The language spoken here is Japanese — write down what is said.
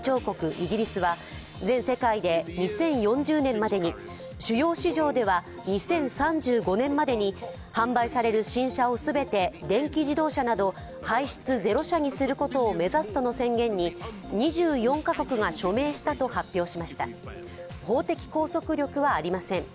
イギリスは全世界で２０４０年までに主要市場では２０３５年までに販売される新車を全て電気自動車など排出ゼロ車にすることを目指すとの宣言に２４カ国が署名したと発表しました法的拘束力はありません。